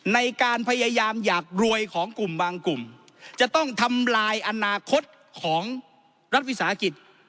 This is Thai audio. ในการพยายามอยากรวยของกลุ่มบางกลุ่มจะต้องทำลายอนาคตของรัฐวิสาหกิจ